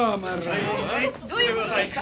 どういう事ですか？